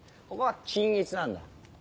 ここは均一なんだ。